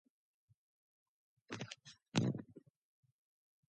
Since the eighteenth century this has been located in the Portinari Chapel.